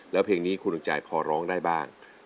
แล้วเพลงนี้คุณลุงใจพอร้องได้บ้าง